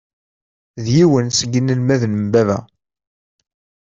D yiwen seg inelmaden n baba.